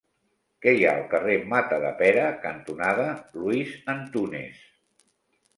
Què hi ha al carrer Matadepera cantonada Luis Antúnez?